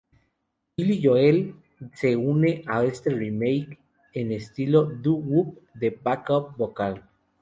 Billy Joel se une a este remake en estilo Doo Wop de back-up vocal.